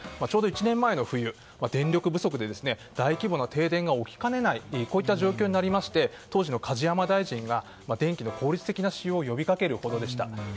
ちょうど１年前の冬、電力不足で大規模な停電が起きかねないといった状況になりまして当時の梶山大臣が電気の効率的な使用を呼びかけるほどでした。